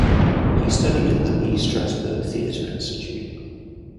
He studied at the Lee Strasberg Theater Institute.